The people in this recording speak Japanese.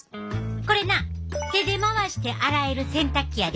これな手で回して洗える洗濯機やで！